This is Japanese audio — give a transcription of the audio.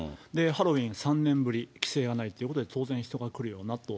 ハロウィーン３年ぶり、規制がないということで、当然、人が来るよなと。